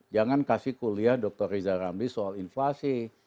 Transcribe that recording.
jangan kasih kuliah dr riza rambi soal inflasi